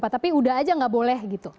tapi udah aja nggak boleh gitu